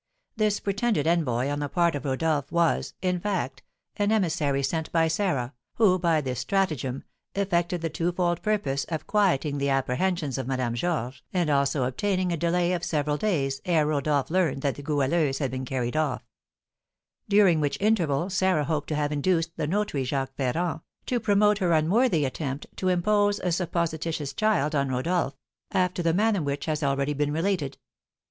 This pretended envoy on the part of Rodolph was, in fact, an emissary sent by Sarah, who, by this stratagem, effected the twofold purpose of quieting the apprehensions of Madame Georges and also obtaining a delay of several days ere Rodolph learned that the Goualeuse had been carried off; during which interval Sarah hoped to have induced the notary, Jacques Ferrand, to promote her unworthy attempt to impose a supposititious child on Rodolph, after the manner which has already been related.